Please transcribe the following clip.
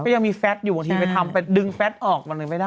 ก็ยังมีฟาสอยู่บางทีไปทำแต่ดึงฟาสออกมันไม่ได้